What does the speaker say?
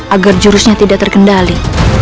agar jurusnya tidak terkendali